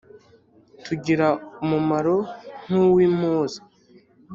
tugira umumaro nk’uw’impuza: